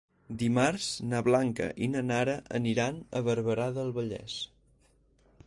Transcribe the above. Dimarts na Blanca i na Nara aniran a Barberà del Vallès.